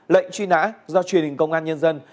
lệnh truy nã do truyền hình công an nhân dân